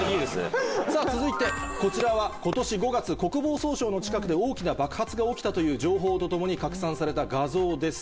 さぁ続いてこちらは今年５月国防総省の近くで大きな爆発が起きたという情報とともに拡散された画像です。